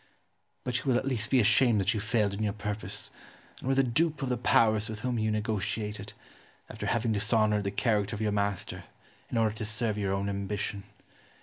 But you will at least be ashamed that you failed in your purpose, and were the dupe of the Powers with whom you negotiated, after having dishonoured the character of your master in order to serve your own ambition.